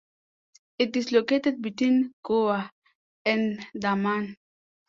It is located between Goa and Daman.